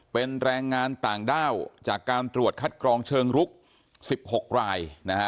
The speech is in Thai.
เป็นแรงงานต่างด้าวจากการตรวจคัดกรองเชิงรุก๑๖ราย